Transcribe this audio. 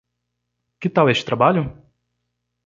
que tal este trabalho?